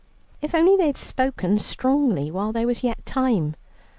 If only they had spoken strongly while there was yet time.